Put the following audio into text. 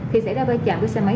khi xảy ra vai trạm với xe máy